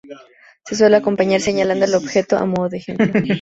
Se suele acompañar señalando el objeto a modo de ejemplo.